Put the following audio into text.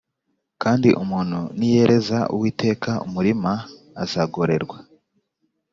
Kandi umuntu niyereza Uwiteka umurima, azagorerwa